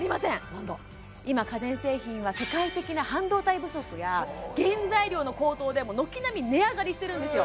何だ今家電製品は世界的な半導体不足や原材料の高騰でそうよ軒並み値上がりしてるんですよ